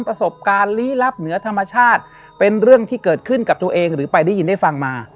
ประสบการณ์ลี้ลับเหนือธรรมชาติเป็นเรื่องที่เกิดขึ้นกับตัวเองหรือไปได้ยินได้ฟังมา